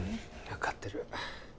分かってる